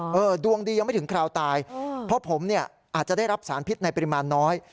ดวงดียังไม่ถึงคราวตายเพราะผมเนี่ยอาจจะได้รับสารพิษในปริมาณน้อย